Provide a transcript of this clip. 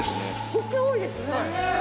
ホッケ多いですね。